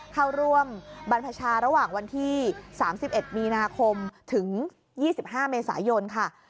เข้าร่วมบรรพชาระหว่างวันที่๓๑มีนาคมถึง๒๕เมษายนค่ะ